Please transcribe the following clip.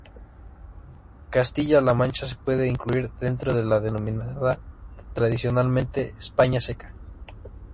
Castilla La Mancha se puede incluir dentro de la denominada tradicionalmente "España Seca".